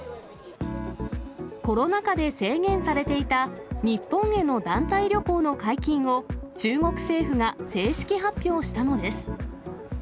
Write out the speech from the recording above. コロナ禍で制限されていた日本への団体旅行の解禁を、中国政府が正式発表したのです。